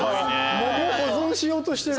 桃を保存しようとしてる！